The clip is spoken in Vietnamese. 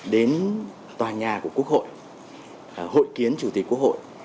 đến tòa nhà của quốc hội hội kiến chủ tịch quốc hội